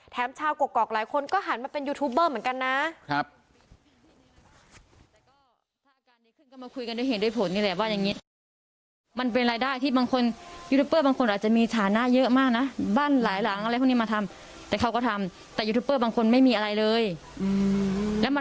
ชาวกกอกหลายคนก็หันมาเป็นยูทูบเบอร์เหมือนกันนะ